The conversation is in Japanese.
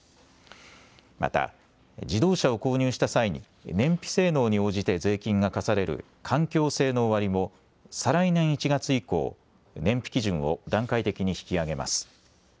また自動車を購入した際に燃費性能に応じて税金が課される環境性能割も、再来年１月以降、燃費基準を段階的に引き上げます。